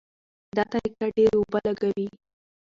دا طریقه ډېرې اوبه لګوي.